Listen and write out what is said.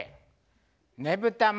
「ねぶた祭」。